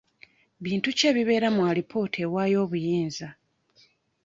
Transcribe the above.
Bintu ki ebibeera mu alipoota ewaayo obuyinza?